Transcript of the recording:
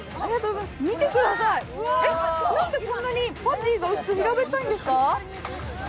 見てください、なんでこんなにパティーが薄く平べったいんですか？